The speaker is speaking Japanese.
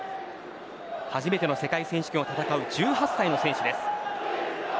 初めての世界選手権を戦う１８歳の選手です。